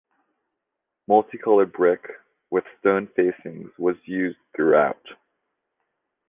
Multi-coloured brick with stone facings was used throughout.